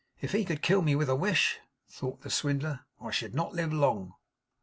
'If he could kill me with a wish,' thought the swindler, 'I should not live long.